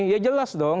ya jelas dong